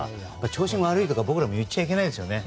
調子が悪いとか僕らも言っちゃいけないですね